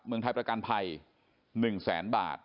เมืองไทยประกันภัย๑แสนบาท